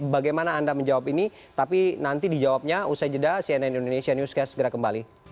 bagaimana anda menjawab ini tapi nanti dijawabnya usai jeda cnn indonesia newscast segera kembali